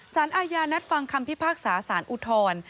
สารอาญานัดฟังคำพิพากษาสารอุทธร